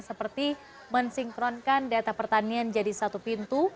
seperti mensinkronkan data pertanian jadi satu pintu